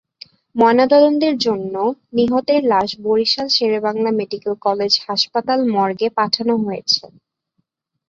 ময়নাতদন্তের জন্য নিহতের লাশ বরিশাল শেরেবাংলা মেডিকেল কলেজ হাসপাতাল মর্গে পাঠানো হয়েছে।